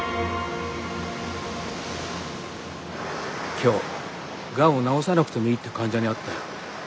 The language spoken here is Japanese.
今日がんを治さなくてもいいって患者に会ったよ。